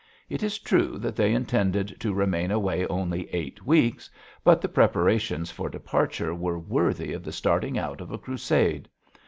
It is true that they intended to remain away only eight weeks, but the preparations for departure were worthy of the starting out of a crusade.